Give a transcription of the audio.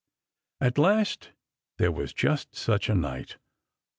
At last there was just such a night.